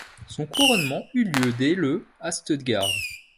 Son couronnement eut lieu dès le à Stuttgart.